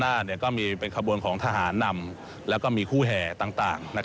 ด้านหน้าเป็นขบวนของทหารนำและก็มีคู่แห่ต่าง